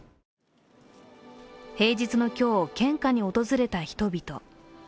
平日の今日、献花に訪れた人々。